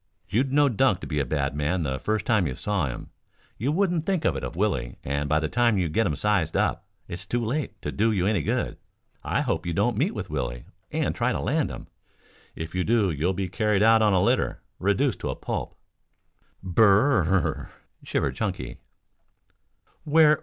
You'd know Dunk to be a bad man the first time you saw him. You wouldn't think it of Willie and by the time you get him sized up, it's too late to do you any good. I hope you don't meet with Willie and try to land him. If you do you'll be carried out on a litter, reduced to a pulp." "Br r r r!" shivered Chunky.